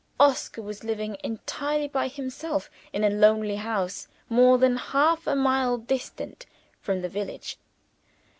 Oscar was living, entirely by himself, in a lonely house, more than half a mile distant from the village.